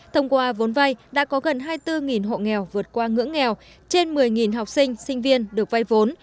thông qua vốn vay đã có gần hai mươi bốn hộ nghèo vượt qua ngưỡng nghèo trên một mươi học sinh sinh viên được vay vốn